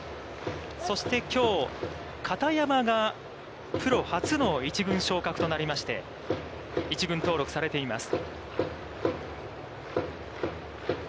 そしてきょう、片山がプロ初の１軍昇格となりまして、１軍登録されています。